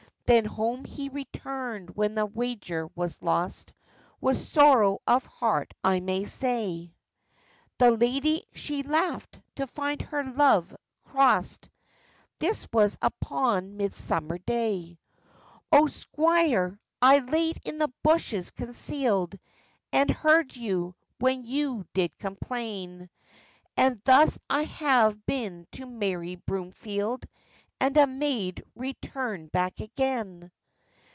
Then home he returned when the wager was lost, With sorrow of heart, I may say; The lady she laughed to find her love crost,— This was upon midsummer day. 'O, squire! I laid in the bushes concealed, And heard you, when you did complain; And thus I have been to the merry Broomfield, And a maid returned back again.